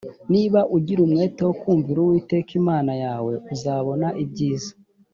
niba ugira umwete wo kumvira uwiteka imana yawe uzabona ibyiza